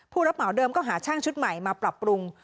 ผู้รับเหมาเดิมก็หาช่างชุดใหม่มาปรับปรุง